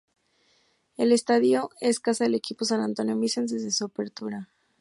El estadio es casa del equipo San Antonio Missions desde su apertura.